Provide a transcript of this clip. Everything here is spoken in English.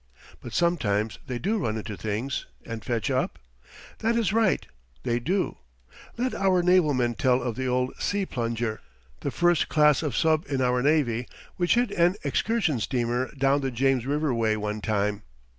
But sometimes they do run into things and fetch up? That is right, they do. Let our naval men tell of the old C plunger the first class of sub in our navy which hit an excursion steamer down the James River way one time.